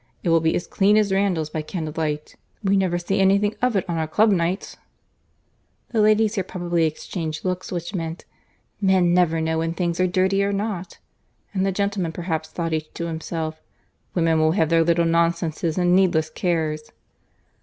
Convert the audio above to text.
It will be as clean as Randalls by candlelight. We never see any thing of it on our club nights." The ladies here probably exchanged looks which meant, "Men never know when things are dirty or not;" and the gentlemen perhaps thought each to himself, "Women will have their little nonsenses and needless cares."